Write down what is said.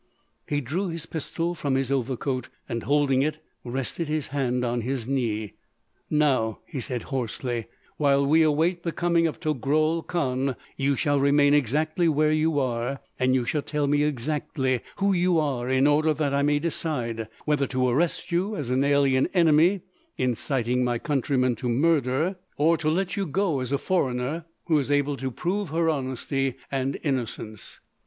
He drew his pistol from his overcoat and, holding it, rested his hand on his knee. "Now," he said hoarsely, "while we await the coming of Togrul Kahn, you shall remain exactly where you are, and you shall tell me exactly who you are in order that I may decide whether to arrest you as an alien enemy inciting my countrymen to murder, or to let you go as a foreigner who is able to prove her honesty and innocence."